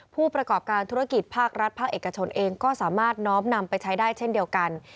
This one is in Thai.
ผู้ประกอบการธุรกิจภาครัฐภาคเอกชนเองก็สามารถน้อมนำไปใช้ได้เช่นเดียวกัน